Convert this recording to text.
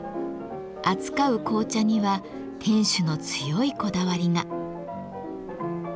扱う紅茶には店主の強いこだわりが。